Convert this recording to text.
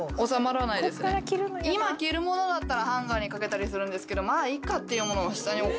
今着るものだったらハンガーに掛けたりするんですけどまあいいかっていうものは下に落っこちたままです。